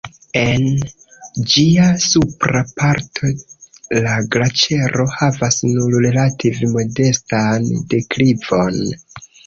En ĝia supra parto la glaĉero havas nur relative modestan deklivon.